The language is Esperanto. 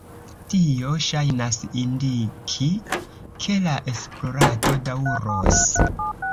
Tio ŝajnas indiki, ke la esplorado daŭros.